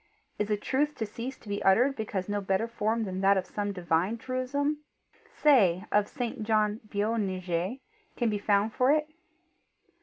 Is a truth to cease to be uttered because no better form than that of some divine truism say of St. John Boanerges can be found for it?